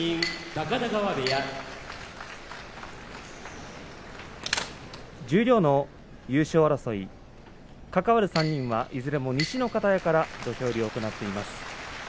高田川部屋十両の優勝争い関わる３人は、いずれも西の方屋から土俵入りを行っています。